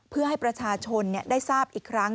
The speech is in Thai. เพื่อให้ประชาชนได้ทราบอีกครั้ง